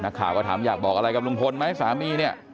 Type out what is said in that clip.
นักข่าวก็ถามอยากบอกอะไรกับลุงพลไหมสามีเนี่ย